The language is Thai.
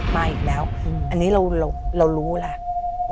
มาอีกแล้วอันนี้เรารู้แล้ว